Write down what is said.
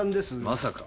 まさか！？